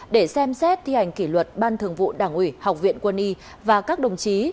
để xem xét thi hành kỷ luật ban thường vụ đảng ủy học viện quân y và các đồng chí